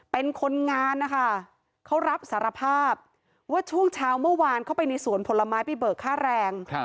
เป็นคนงานนะคะเขารับสารภาพว่าช่วงเช้าเมื่อวานเข้าไปในสวนผลไม้ไปเบิกค่าแรง